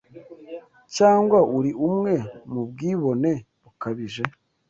Cyangwa uri umwe mubwibone bukabije